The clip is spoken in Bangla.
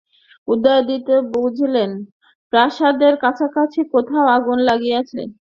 উদয়াদিত্য বুঝিলেন, প্রাসাদের কাছাকাছি কোথাও আগুন লাগিয়াছে।